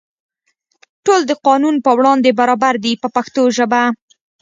ټول د قانون په وړاندې برابر دي په پښتو ژبه.